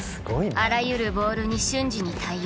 あらゆるボールに瞬時に対応。